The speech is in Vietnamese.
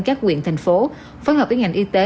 các nguyện thành phố phối hợp với ngành y tế